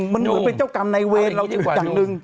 มันเหมือนเป็นเจ้ากำในเวรแล้วกันหนึ่ง